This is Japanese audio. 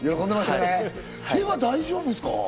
手は大丈夫ですか？